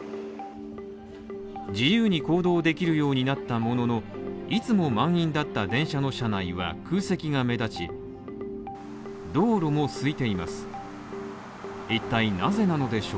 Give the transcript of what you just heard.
自由に行動できるようになったものの、いつも満員だった電車の車内は空席が目立ち道路もすいています。